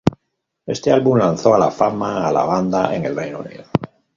Este álbum lanzó a la fama a la banda en el Reino Unido.